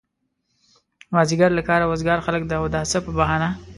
مازيګر له کاره وزګار خلک د اوداسه په بهانه.